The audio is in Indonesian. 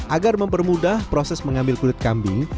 agar mempermudah proses mengambil kulit kambing